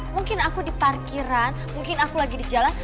mungkin aku di parkiran mungkin aku lagi di jalan